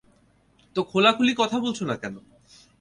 তো খোলাখুলি কথা বলছো না কেন?